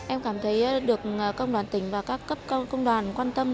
em cảm thấy được công đoàn tỉnh và các cấp công đoàn quan tâm